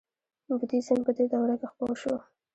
بودیزم په دې دوره کې خپور شو